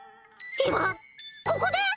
今ここで！？